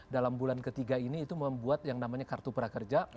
dalam bulan ketiga ini itu membuat yang namanya kartu prakerja